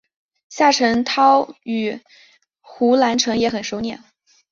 夏承焘与胡兰成也很熟稔。